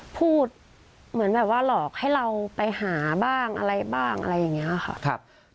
พูดเหมือนแบบว่าหลอกให้เราไปหาบ้างอะไรบ้างอะไรอย่างนี้ค่ะ